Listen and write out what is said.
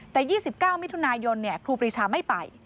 แต่๒๙มิถุนายนครูปรีชาไม่ไป